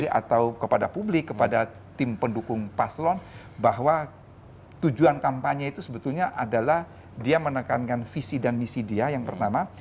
atau kepada publik kepada tim pendukung paslon bahwa tujuan kampanye itu sebetulnya adalah dia menekankan visi dan misi dia yang pertama